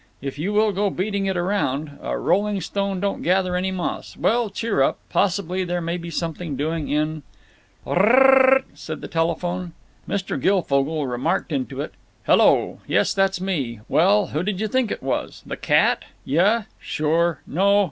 If you will go beating it around—A rolling stone don't gather any moss. Well, cheer up! Possibly there may be something doing in—" "Tr r r r r r r," said the telephone. Mr. Guilfogle remarked into it: "Hello. Yes, it's me. Well, who did you think it was? The cat? Yuh. Sure. No.